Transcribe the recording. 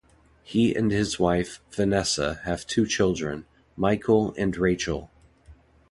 He and his wife, Vanessa, have two children, Michael and Rachel.